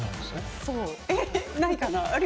ないかな？